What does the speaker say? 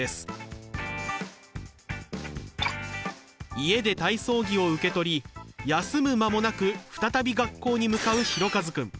家で体操着を受け取り休む間もなく再び学校に向かうひろかずくん。